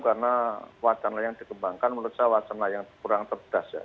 karena wacana yang dikembangkan menurut saya wacana yang kurang terbedas ya